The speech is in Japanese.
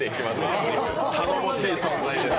頼もしい存在です。